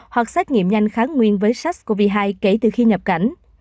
hoặc xét nghiệm nhanh kháng nguyên với sars cov hai kể từ khi nhập cảnh